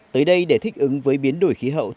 tới đây để thích ứng với biến đổi khí hậu